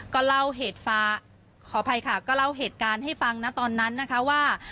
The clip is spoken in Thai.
ก็เล่าเหตุฟ้าขออภัยค่ะก็เล่าเหตุการณ์ให้ฟังนะตอนนั้นนะคะว่า